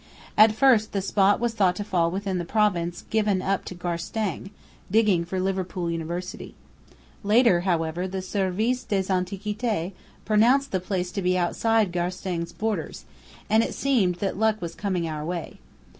At first the spot was thought to fall within the province given up to Garstang, digging for Liverpool University. Later, however, the Service des Antiquités pronounced the place to be outside Garstang's borders, and it seemed that luck was coming our way.